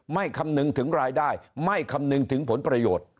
คำนึงถึงรายได้ไม่คำนึงถึงผลประโยชน์